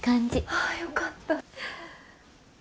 ああよかった。